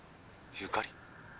ゆかり？